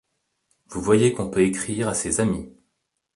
Vous voyez qu’on peut écrire à ses amis.